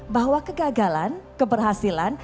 bahwa kegagalan keberhasilan